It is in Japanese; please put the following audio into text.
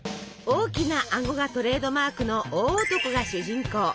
大きな顎がトレードマークの大男が主人公。